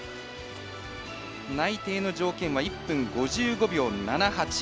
内定の条件は１分５５秒７８